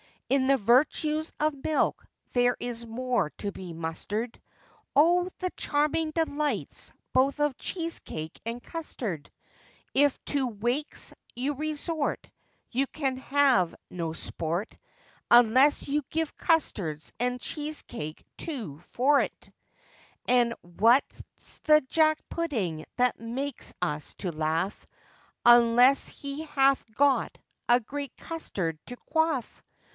In the virtues of milk there is more to be mustered: O! the charming delights both of cheesecake and custard! If to wakes you resort, You can have no sport, Unless you give custards and cheesecake too for't: And what's the jack pudding that makes us to laugh, Unless he hath got a great custard to quaff?